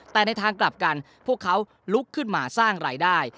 แต่ในทางกลับกันพวกเขาลุกขึ้นมาสร้างรายได้